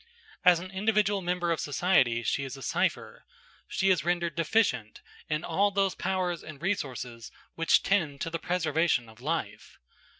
As an individual member of society, she is a cypher. She is rendered deficient in all those powers and resources which tend to the preservation of life.